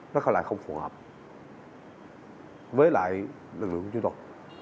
nó có lẽ không phù hợp với lại lực lượng của chúng tôi